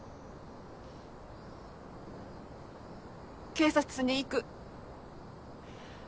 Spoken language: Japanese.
警察に行く。